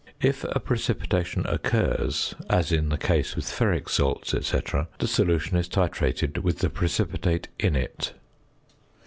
If a precipitation occurs, as is the case with ferric salts, &c., the solution is titrated with the precipitate in it.